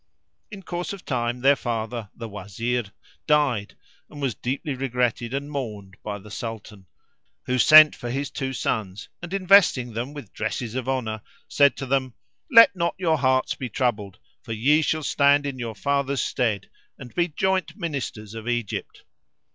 In course of time their father, the Wazir, died and was deeply regretted and mourned by the Sultan, who sent for his two sons and, investing them with dresses of honour, [FN#363] said to them, "Let not your hearts be troubled, for ye shall stand in your father's stead and be joint Ministers of Egypt."